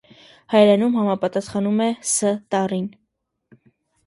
Հայերենում համապատասխանում է «Ս ս» տառին։